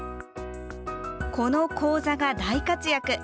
この高座が大活躍。